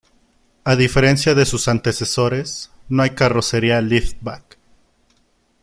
A diferencia de sus antecesores, no hay carrocería liftback.